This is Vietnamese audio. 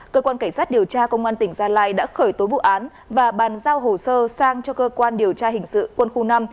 cơ quan cảnh sát điều tra công an tỉnh gia lai đã khởi tố vụ án và bàn giao hồ sơ sang cho cơ quan điều tra hình sự quân khu năm